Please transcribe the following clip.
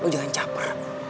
lo jangan caper